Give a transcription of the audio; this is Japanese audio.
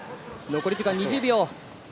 残り時間は２０秒。